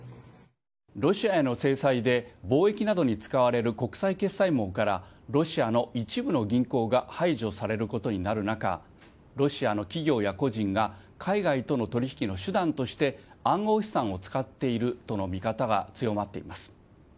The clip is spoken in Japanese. ロシアへの制裁で、貿易などに使われる国際決済網から、ロシアの一部の銀行が排除されることになる中、ロシアの企業や個人が、海外との取り引きの手段として暗号資産を使っているとの見方が強まっています。